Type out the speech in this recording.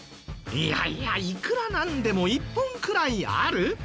いやいやいくらなんでも１本くらいある？